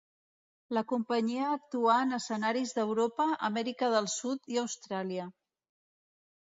La companyia actuà en escenaris d’Europa, Amèrica del Sud i Austràlia.